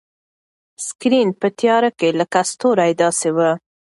سکرین په تیاره کې لکه ستوری داسې و.